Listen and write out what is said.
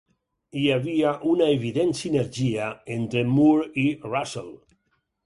Hi havia una evident sinergia entre Moore i Russell.